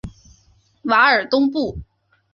瓦尔东布。